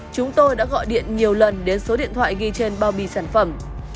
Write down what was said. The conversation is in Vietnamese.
chúng tôi đã gọi điện nhiều lần đến số điện thoại ghi trên bao bì sản phẩm